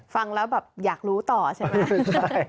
ฟังแล้วแบบอยากรู้ต่อใช่ไหม